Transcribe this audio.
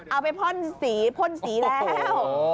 เอาไปพ่นสีพ่นสีแล้ว